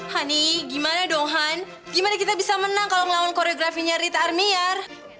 honey gimana dong han gimana kita bisa menang kalau ngelawan koreografinya ritar miar